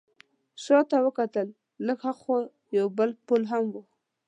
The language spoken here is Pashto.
شا ته وکتل، لږ ها خوا یو بل پل هم و.